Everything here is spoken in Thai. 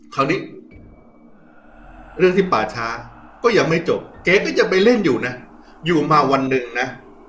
คราวนี้เรื่องที่ป่าช้าก็ยังไม่จบแกก็ยังไปเล่นอยู่นะอยู่มาวันหนึ่งนะ